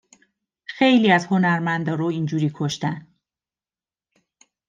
خیلی از هنرمندا رو اینجوری کشتن